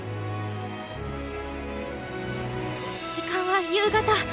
時間は夕方！